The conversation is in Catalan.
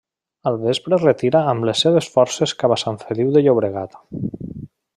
Al vespre es retira amb les seves forces cap a Sant Feliu de Llobregat.